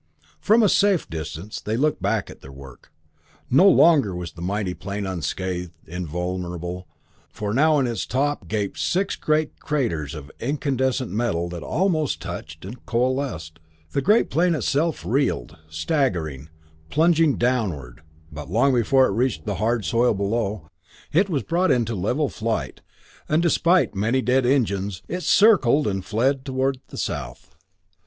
From a safe distance they looked back at their work. No longer was the mighty plane unscathed, invulnerable, for now in its top gaped six great craters of incandescent metal that almost touched and coalesced. The great plane itself reeled, staggering, plunging downward; but long before it reached the hard soil below, it was brought into level flight, and despite many dead engines, it circled and fled toward the south.